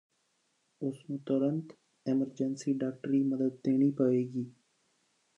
ਉਸਨੂੰ ਤੁਰੰਤ ਐਮਰਜੈਂਸੀ ਡਾਕਟਰੀ ਮਦਦ ਦੇਣੀ ਪਏਗੀ